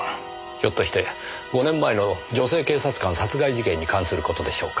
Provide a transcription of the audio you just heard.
ひょっとして５年前の女性警察官殺害事件に関する事でしょうか？